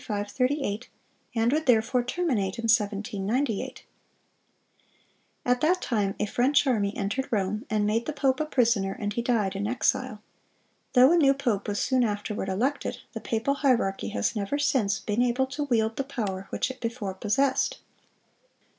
538, and would therefore terminate in 1798.(386) At that time a French army entered Rome, and made the pope a prisoner, and he died in exile. Though a new pope was soon afterward elected, the papal hierarchy has never since been able to wield the power which it before possessed.